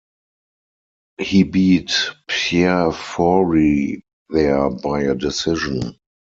He beat Pierre Fourie there by a decision.